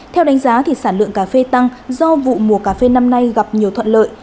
theo đánh giá sản lượng cà phê tăng do vụ mùa cà phê năm nay gặp nhiều thuận lợi